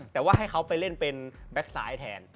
แต่ว่าให้เขาไปเล่นเป็นแบ็คซ้ายแทน